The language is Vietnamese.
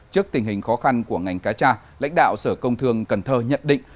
trước tình hình khó khăn của ngành cá tra lãnh đạo sở công thương cần thơ nhận định